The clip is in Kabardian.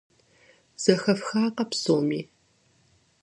Зэхэфхакъэ псоми?